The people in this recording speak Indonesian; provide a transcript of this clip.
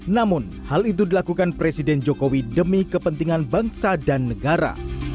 namun hal itu dilakukan presiden jokowi demi kepentingan bangsa dan negara